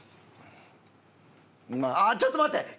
あーっちょっと待って！